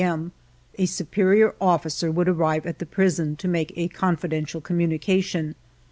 m., a superior officer would arrive at the prison to make a confidential communication.